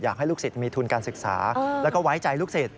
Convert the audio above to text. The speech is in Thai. ลูกศิษย์มีทุนการศึกษาแล้วก็ไว้ใจลูกศิษย